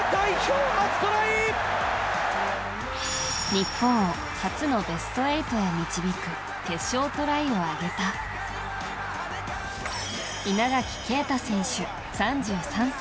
日本を初のベスト８へ導く決勝トライを挙げた稲垣啓太選手、３３歳。